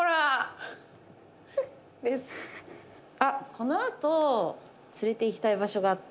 このあと連れて行きたい場所があって。